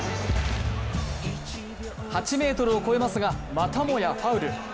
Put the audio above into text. ８ｍを超えますが、またもやファウル。